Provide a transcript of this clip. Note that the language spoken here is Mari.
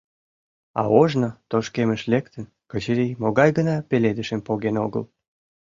А ожно, тошкемыш лектын, Качырий могай гына пеледышым поген огыл!